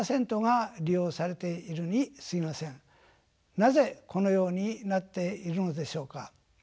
なぜこのようになっているのでしょうか。